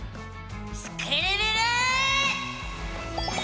スクるるる！